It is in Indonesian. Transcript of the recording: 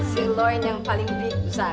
sirloin yang paling besar